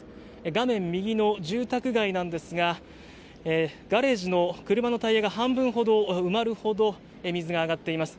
画面右の住宅街なんですがガレージの車のタイヤが半分ほど埋まるほど水が上がっています。